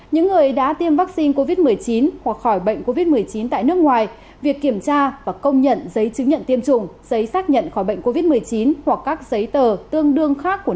những người đã tiêm vaccine covid một mươi chín hoặc khỏi bệnh covid một mươi chín tại nước ngoài việc kiểm tra và công nhận giấy chứng nhận tiêm chủng giấy xác nhận khỏi bệnh covid một mươi chín hoặc các giấy tờ tương đương khác của nước ngoài theo hướng dẫn của bộ ngoại giao